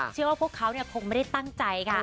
เชื่อว่าพวกเขาคงไม่ได้ตั้งใจค่ะ